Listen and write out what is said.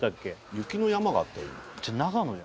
雪の山があったよ